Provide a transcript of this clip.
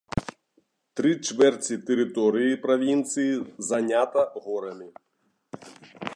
Тры чвэрці тэрыторыі правінцыі занята горамі.